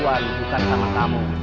saya dihubungkan sama kamu